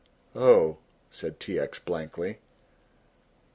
"Oh," said T. X. blankly.